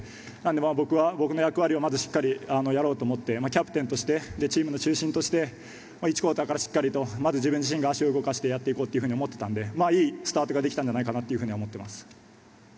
僕は僕の役割をしようと思ってキャプテンとしてチームの中心として１クオーターからしっかりとまず自分自身が足を動かしてやっていこうと思っていたのでいいスタートができたんじゃないかなと思っています。